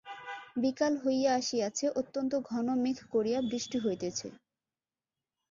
বিকাল হইয়া আসিয়াছে অত্যন্ত ঘন মেঘ করিয়া বৃষ্টি হইতেছে।